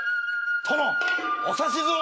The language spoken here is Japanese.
殿お指図を！